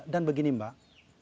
dan begini mbak